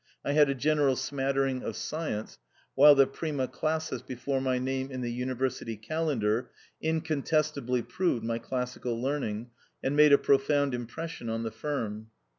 I had a general smatter ing of science, while the 'prima classis before my name in the University Calendar incontestably proved my classical learning, and made a profound impression on the firm.